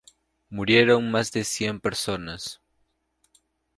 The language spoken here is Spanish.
Murieron más de cien personas.